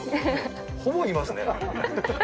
ほぼいますね。